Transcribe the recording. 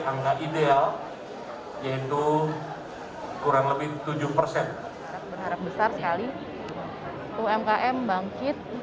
angka ideal yaitu kurang lebih tujuh persen berharap besar sekali umkm bangkit